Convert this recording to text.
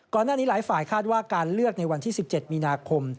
ก่อนหน้านี้หลายฝ่าคาดว่าการเลือกในวันที่๑๗มีนาคม